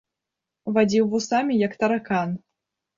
Вадзіў вусамі, як таракан.